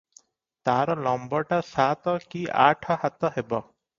ତା'ର ଲମ୍ବଟା ସାତ କି ଆଠ ହାତ ହେବ ।